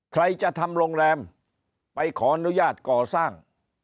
ใครจะทำโรงแรมไปขออนุญาตก่อสร้าง